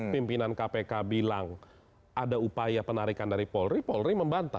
pimpinan kpk bilang ada upaya penarikan dari polri polri membantah